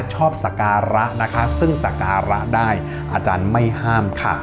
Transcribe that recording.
สการะนะคะซึ่งสการะได้อาจารย์ไม่ห้ามค่ะ